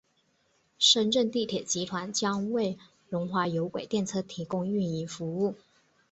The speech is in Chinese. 深圳地铁集团将为龙华有轨电车提供运营服务。